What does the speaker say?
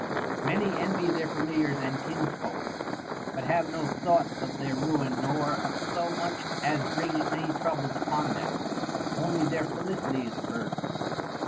Many envy their familiars and kinsfolk, but have no thoughts of their ruin nor of so much as bringing any troubles upon them ; only their felicity is a burden.